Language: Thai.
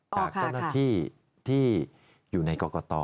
จากต้นที่ที่อยู่ในกอกตอ